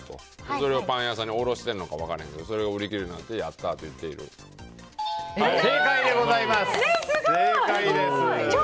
それをパン屋さんに卸しているのか分からないけどそれが売り切れなので正解でございます！